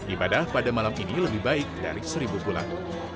ibadah pada malam ini lebih baik dari seribu bulan